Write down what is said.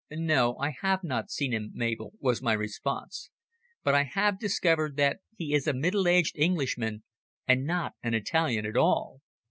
"No, I have not seen him, Mabel," was my response. "But I have discovered that he is a middle aged Englishman, and not an Italian at all.